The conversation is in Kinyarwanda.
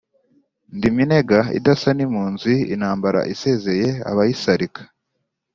ndi minega idasa n'impunzi, intambara isezeye abayisalika,